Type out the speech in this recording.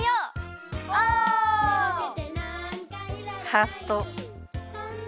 ハート。